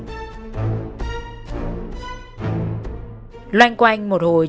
loan quanh một hồi chúng tôi đã tìm ra một con đường